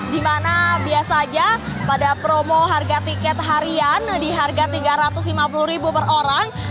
karena biasanya pada promo harga tiket harian di harga rp tiga ratus lima puluh per orang